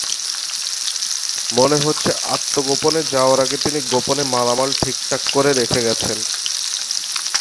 মনে হচ্ছে, আত্মগোপনে যাওয়ার আগে তিনি গোপনে মালামাল ঠিকঠাক করে রেখে গেছেন।